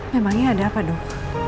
memangnya ada apa dok